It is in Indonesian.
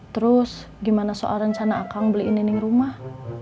terus gimana soal rencana akang beliin nining rumah